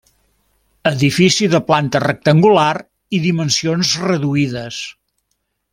Edifici de planta rectangular i dimensions reduïdes.